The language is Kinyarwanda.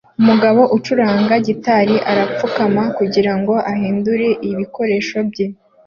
Umugabo ucuranga gitari arapfukama kugirango ahindure ibikoresho bye